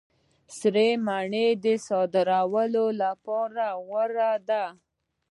سرې مڼې د صادرولو لپاره غوره دي.